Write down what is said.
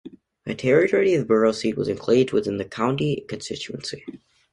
The territory of the borough seat was enclaved within the county constituency.